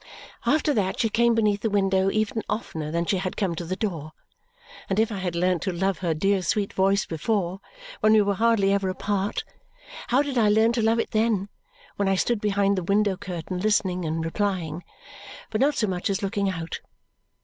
After that she came beneath the window even oftener than she had come to the door, and if I had learnt to love her dear sweet voice before when we were hardly ever apart, how did I learn to love it then, when I stood behind the window curtain listening and replying, but not so much as looking out!